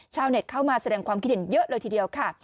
ชาวเน็ตเข้ามาแสดงความคิดเห็นเยอะเลยทีเดียวค่ะ